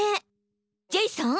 ジェイソン！